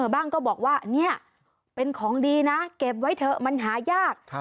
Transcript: ก็บอกว่าเนี่ยเป็นของดีนะเก็บไว้เถอะมันหายาก